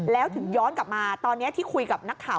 แล้วถึงย้อนกลับมาตอนนี้ที่คุยกับนักข่าว